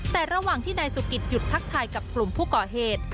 แต่ระหว่างที่นายสุกิตหยุดทักทายกับกลุ่มผู้ก่อเหตุ